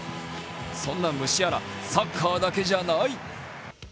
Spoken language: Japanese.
そんなムシアラ、サッカーだけじゃない！